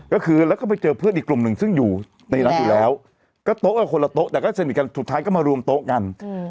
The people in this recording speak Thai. ก็คือแล้วก็ไปเจอเพื่อนอีกกลุ่มหนึ่งซึ่งอยู่ในนั้นอยู่แล้วก็โต๊ะก็คนละโต๊ะแต่ก็สนิทกันสุดท้ายก็มารวมโต๊ะกัน